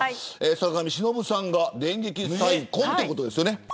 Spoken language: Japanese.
坂上忍さんが電撃再婚ということですよね。